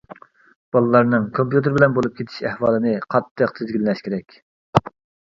بالىلارنىڭ كومپيۇتېر بىلەن بولۇپ كېتىش ئەھۋالىنى قاتتىق تىزگىنلەش كېرەك.